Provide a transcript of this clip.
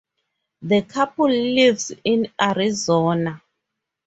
The couple lives in Arizona.